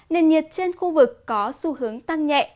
nền nhiệt trên khu vực có xu hướng tăng nhẹ